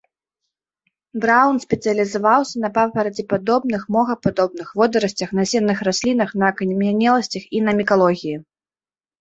Браўн спецыялізаваўся на папарацепадобных, мохападобных, водарасцях, насенных раслінах, на акамянеласцях і на мікалогіі.